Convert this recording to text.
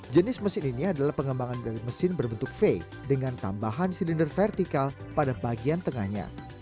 jenis mesin ini adalah pengembangan dari mesin berbentuk v dengan tambahan silinder vertikal pada bagian tengahnya